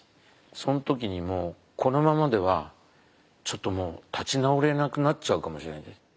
その時にもうこのままではちょっともう立ち直れなくなっちゃうかもしれない。